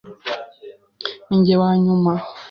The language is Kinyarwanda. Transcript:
Ninjye wanyuma.